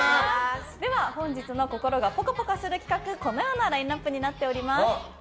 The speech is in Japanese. では本日の心がぽかぽかする企画このようなラインアップになっています。